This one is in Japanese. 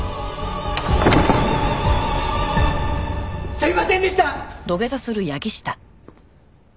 すいませんでした！